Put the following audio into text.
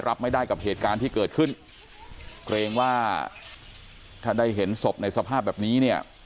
รับไม่ได้กับเหตุการณ์ที่เกิดขึ้นเกรงว่าถ้าได้เห็นศพในสภาพแบบนี้เนี่ย